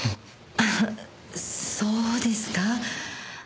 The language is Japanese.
あそうですか？